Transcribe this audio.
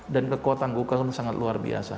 dan kekuatan glukagon sangat luar biasa